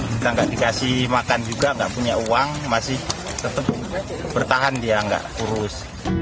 kita nggak dikasih makan juga nggak punya uang masih tetap bertahan dia nggak kurus